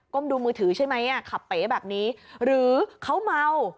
ดูมือถือใช่ไหมขับเป๋แบบนี้หรือเขาเมา